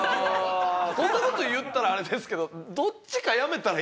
こんな事言ったらあれですけど。